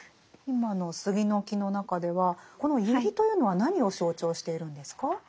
今の「杉の木」の中ではこの「百合」というのは何を象徴しているんですか？